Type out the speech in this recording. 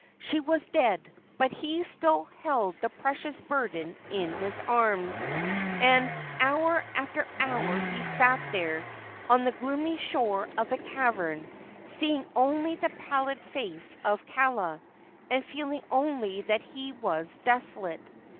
She was dead, but he still held the precious burden in his arms; and hour after hour he sat there on the gloomy shore of the cavern, seeing only the pallid face of Kaala, and feeling only that he was desolate.